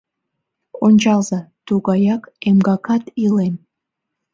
Ончалза: тугаяк, эмгакак, илем.